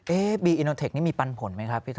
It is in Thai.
เอ๊ะบีอีโนเทคนี่มีปันผลไหมครับพี่โทษ